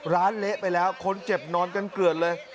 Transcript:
เละไปแล้วคนเจ็บนอนกันเกลือดเลย